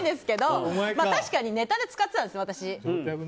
確かにネタで使ってたんです、私。